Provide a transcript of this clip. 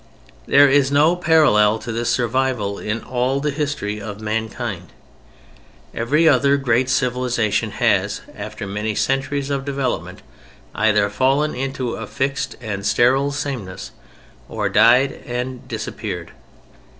There is no parallel to this survival in all the history of mankind. Every other great civilization has, after many centuries of development, either fallen into a fixed and sterile sameness or died and disappeared.